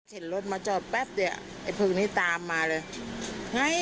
เห็นรถมาจอแป๊บเดี๋ยวไอ้ผื่นนี่ตามมาเลย